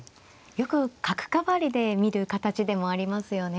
よく角換わりで見る形でもありますよね。